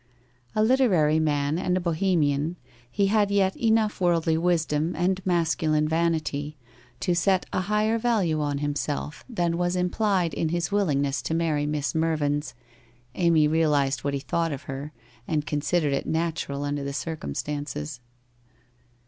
A literary man and a Bohemian, he had yet enough worldly wisdom and masculine vanity to set a higher value 34 WHITE ROSE OP WEARY LEAF 35 on himself than was implied in his willingness to marry Sir Mervyn's — Amy realised what he thought of her, and considered it natural under the circumstances.